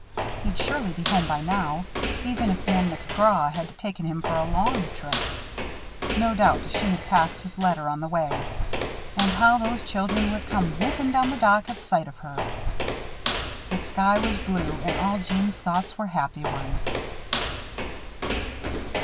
He'd surely be home by now, even if Dan McGraw had taken him for a long trip. No doubt she had passed his letter on the way. And how those children would come whooping down the dock at sight of her! The sky was blue and all Jeanne's thoughts were happy ones.